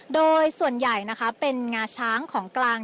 โดยส่วนใหญ่นะคะเป็นงาช้างของกลาง